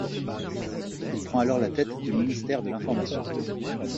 Il prend alors la tête du ministère de l'Information.